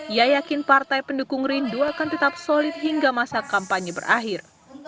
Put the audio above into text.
ia yakin partai pendukung rindu akan tetap solid hingga masa kampanye berakhir